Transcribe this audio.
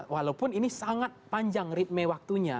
walaupun ini sangat panjang ritme waktunya